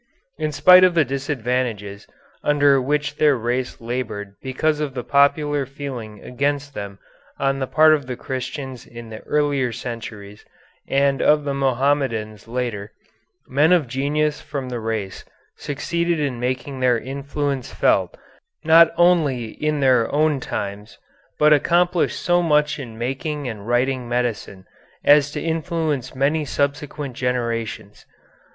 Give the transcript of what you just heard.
In spite of the disadvantages under which their race labored because of the popular feeling against them on the part of the Christians in the earlier centuries and of the Mohammedans later, men of genius from the race succeeded in making their influence felt not only on their own times, but accomplished so much in making and writing medicine as to influence many subsequent generations.